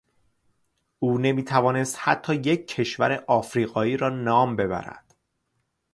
او نمی توانست حتی یک کشور افریقایی را نام ببرد.